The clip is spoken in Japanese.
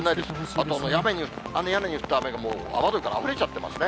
あと、屋根に降った雨が、もう雨どいからあふれちゃってますね。